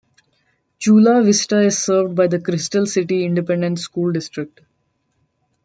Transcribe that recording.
Chula Vista is served by the Crystal City Independent School District.